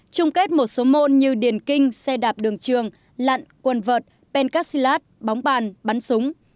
trung kết một số môn như điền kinh xe đạp đường trường lặn quần vợt pencastilat bóng bàn bắn súng